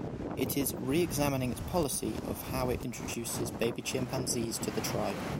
It is reexamining its policy of how it introduces baby chimpanzees to the tribe.